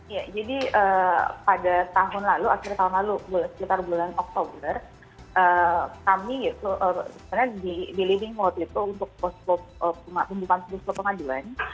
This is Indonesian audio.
ya jadi pada tahun lalu akhir tahun lalu sekitar bulan oktober kami sebenarnya di living walt itu untuk pembukaan posko pengaduan